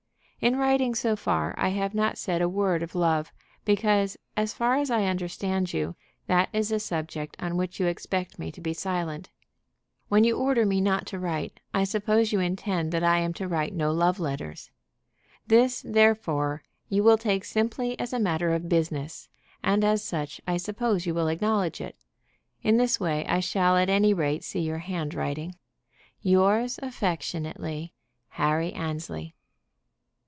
"In writing so far I have not said a word of love, because, as far as I understand you, that is a subject on which you expect me to be silent. When you order me not to write, I suppose you intend that I am to write no love letters. This, therefore, you will take simply as a matter of business, and as such, I suppose, you will acknowledge it. In this way I shall at any rate see your handwriting. "Yours affectionately, "HARRY ANNESLEY."